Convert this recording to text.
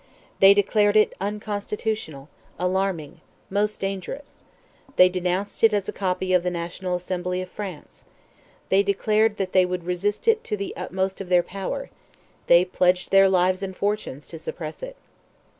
They declared it "unconstitutional," "alarming," "most dangerous;" they denounced it as a copy of the National Assembly of France; they declared that they would "resist it to the utmost of their power;" they pledged "their lives and fortunes" to suppress it.